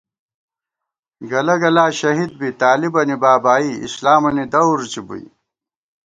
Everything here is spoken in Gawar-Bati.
گلہ گلا شہید بی طالِبَنی بابائی اسلامَنی دور ژِبُوئی